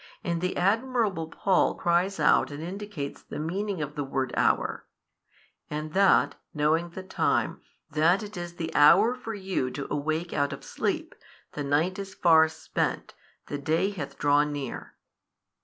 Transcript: And the admirable Paul cries out and indicates the meaning of the word hour, And that, knowing the time, that it is the hour for you to awake out of sleep: the night is far spent, the day hath drawn near.